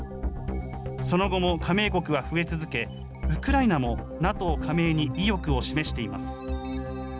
その後も加盟国は増え続け、ウクライナもＮＡＴＯ加盟に意欲を示しています。